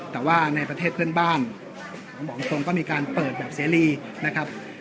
แต่ว่าในประเทศเพื่อนบ้านผมบอกตรงก็มีการเปิดแบบเสรีนะครับ